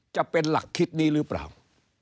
จะเป็นหลักคิดนี้หรือเปล่า